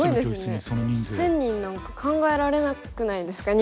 １，０００人なんか考えられなくないですか？